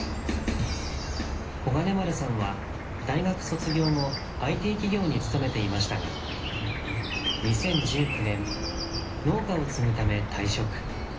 小金丸さんは大学卒業後ＩＴ企業に勤めていましたが２０１９年農家を継ぐため退職。